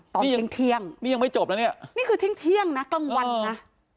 ตอนนี้ยังเที่ยงนี่ยังไม่จบนะเนี่ยนี่คือเที่ยงเที่ยงนะกลางวันนะ